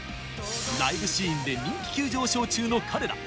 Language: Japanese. ライブシーンで人気急上昇中の彼ら。